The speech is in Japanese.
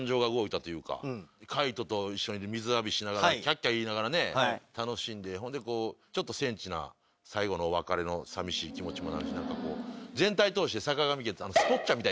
海人と一緒に水浴びしながらキャッキャ言いながら楽しんでほんでちょっとセンチな最後のお別れのさみしい気持ちもなるし全体通して。